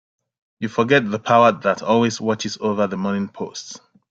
You forget the power that always watches over the Morning Post.